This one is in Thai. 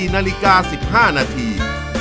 ๔นาฬิกา๑๕นาที